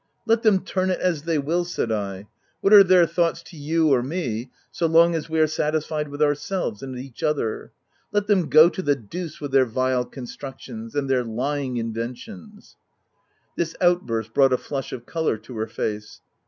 "Let them turn it as they will," said I. " What are their thoughts to you or me, so long as we are satisfied with ourselves — and each other. Let them go to the deuce with their vile constructions, and their lying inven tions !" 208 THE TENANT This outburst brought a flush of colour to her face.